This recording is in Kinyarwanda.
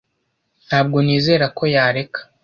Ntabwo nizera ko yareka